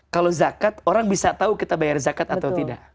kalau zakat orang bisa tahu kita bayar zakat atau tidak